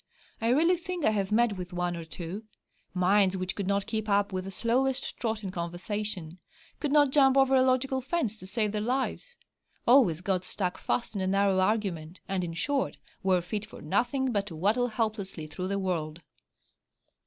I really think I have met with one or two: minds which could not keep up with the slowest trot in conversation; could not jump over a logical fence, to save their lives; always got stuck fast in a narrow argument; and, in short, were fit for nothing but to waddle helplessly through the world.